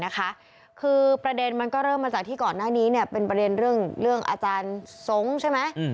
คือประเด็นมันก็เริ่มมาจากที่ก่อนหน้านี้เป็นประเด็นเรื่องอาจารย์ทรงใช่ไหม